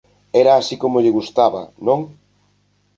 Era así como lle gustaba, ¿non?